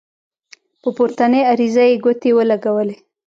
په پورتنۍ عریضه یې ګوتې ولګولې.